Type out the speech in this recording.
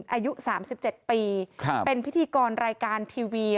อายุ๓๗ปีเป็นพิธีกรรายการทีวี